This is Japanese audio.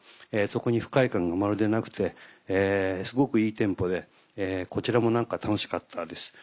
そこに不快感がまるでなくてすごくいいテンポでこちらも何か楽しかったです。